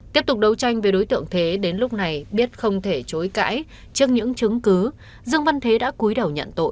tiếp tục đấu tranh về đối tượng thế đến lúc này biết không thể chối cãi trước những chứng cứ dương văn thế đã cúi đầu nhận tội